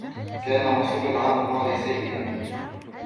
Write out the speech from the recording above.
كان محصول العام الماضي سيئا.